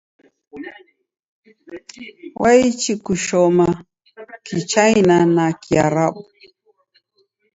W'aichi kushoma kichina na Kiarabu.